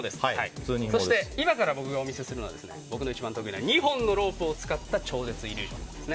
そして今から僕がお見せするのは僕の一番得意な２本のロープを使った超絶イリュージョンですね。